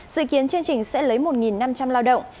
dự kiến chương trình sẽ lấy một năm trăm linh lao động